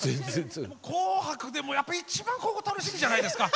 「紅白」でもやっぱ一番ここが楽しみじゃないですか。